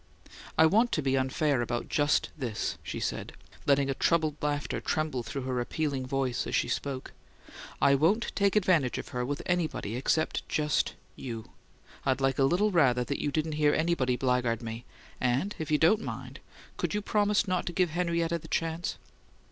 "I want to be unfair about just this," she said, letting a troubled laughter tremble through her appealing voice as she spoke. "I won't take advantage of her with anybody, except just you! I'd a little rather you didn't hear anybody blackguard me, and, if you don't mind could you promise not to give Henrietta the chance?"